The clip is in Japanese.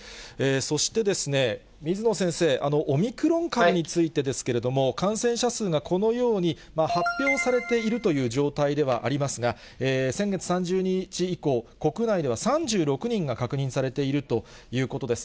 そして、水野先生、オミクロン株についてですけれども、感染者数がこのように発表されているという状態ではありますが、先月３０日以降、国内では３６人が確認されているということです。